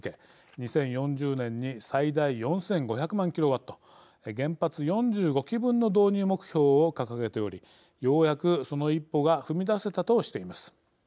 ２０４０年に最大４５００万ｋＷ原発４５基分の導入目標を掲げておりようやくその一歩が踏み出せたとしています。